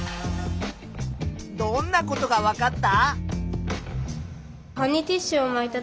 どんなことがわかった？